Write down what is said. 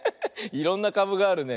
いろんなかぶがあるね。